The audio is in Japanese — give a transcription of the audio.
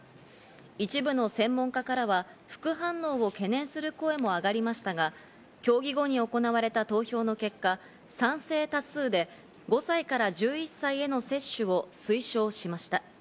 一部の専門家からは副反応を懸念する声も上がりましたが、協議後に行われた投票の結果、賛成多数で５歳から１１歳への接種を推奨しました。